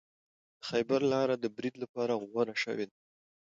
د خیبر لاره د برید لپاره غوره شوې ده.